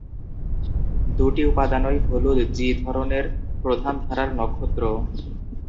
দুটি উপাদানই হলুদ জি-ধরনের প্রধান-ধারার নক্ষত্র।